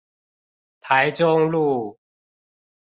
台中路